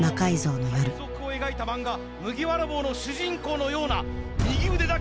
海賊を描いた漫画麦わら帽の主人公のような右腕だけ。